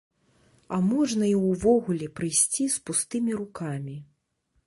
А можна і ўвогуле прыйсці з пустымі рукамі.